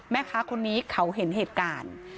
แม่ค้าคนนี้เขาเห็นเหตุการณ์